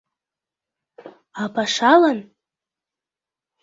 — А пашалан?